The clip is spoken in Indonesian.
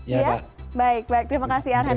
ya baik baik terima kasih arhan